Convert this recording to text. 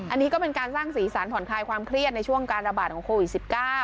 อันนี้ก็เป็นการสร้างสีสันผ่อนคลายความเครียดในช่วงการระบาดของโควิด๑๙